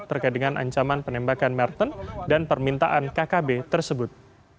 terkait dengan ancaman penembakan merton dan permintaan kkb tersebut